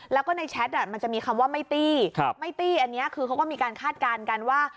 แล้วก็ในแชทมันจะมีคำว่าไม่ตี้ไม่ตี้อันนี้คือเขาก็มีการคาดการณ์กันว่า